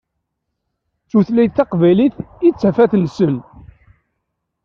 D tutlayt taqbaylit i d tafat-nsen.